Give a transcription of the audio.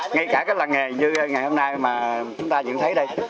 ngay cả là nghề như ngày hôm nay mà chúng ta nhận thấy đây